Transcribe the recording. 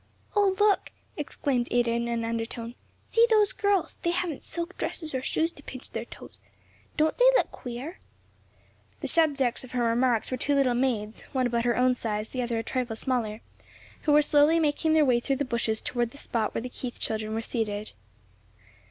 "Oh look!" exclaimed Ada in an undertone, "see those girls. They haven't silk dresses or shoes to pinch their toes. Don't they look queer?" The subjects of her remarks were two little maids one about her own size, the other a trifle smaller who were slowly making their way through the bushes toward the spot where the Keith children were seated.